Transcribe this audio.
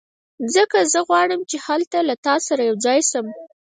ځکه زه غواړم چې هلته له تا سره یو ځای شم